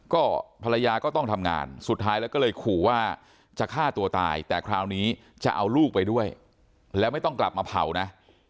ก็ภรรยาก็ต้องทำงานสุดท้ายแล้วก็เลยขู่ว่าจะฆ่าตัวตายแต่คราวนี้จะเอาลูกไปด้วยแล้วไม่ต้องกลับมาเผานะ